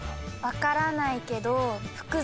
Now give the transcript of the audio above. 分からないけど。